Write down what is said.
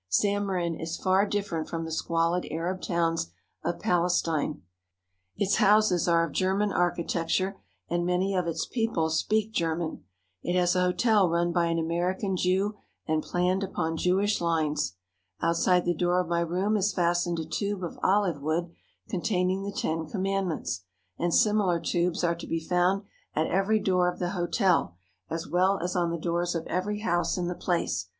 Zammarin is far different from the squalid Arab towns of Palestine. Its houses are of German architecture and many of its people speak German. It has a hotel run by an American Jew and planned upon Jewish lines. Out side the door of my room is fastened a tube of olive wood containing the Ten Commandments, and similar tubes are to be found at every door of the hotel, as well as on the doors of every house in the place.